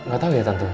gak tau ya tentu